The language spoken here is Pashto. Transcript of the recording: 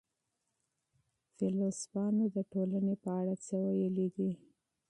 فيلسوفانو د ټولني په اړه څه ويلي دي؟